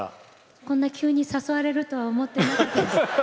こんな急に誘われるとは思ってなかった。